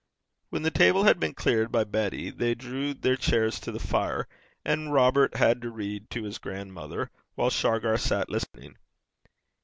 When the table had been cleared by Betty, they drew their chairs to the fire, and Robert had to read to his grandmother, while Shargar sat listening.